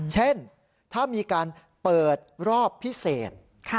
เช่นถ้ามีการเปิดรอบพิเศษ